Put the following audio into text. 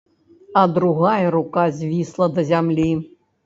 А другая рука звісла да зямлі.